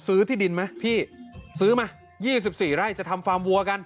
ซื้อที่ดินไหมพี่ซื้อมายี่สิบสี่ไร่จะทำฟาร์มวัวกัน